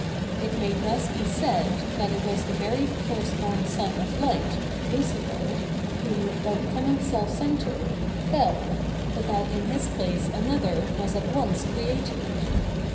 It may thus be said that it was the very first born Son of Light [Lucifer] who, by becoming self centred, fell, but that in his place another was at once created.